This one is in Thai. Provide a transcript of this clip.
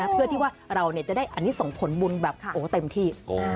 เพื่อที่ว่าเราจะได้อันนี้ส่งผลบุญแบบเต็มที่